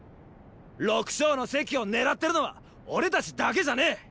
六将の席を狙ってるのは俺たちだけじゃねェ！